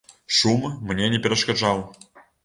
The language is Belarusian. Шум мне не перашкаджаў.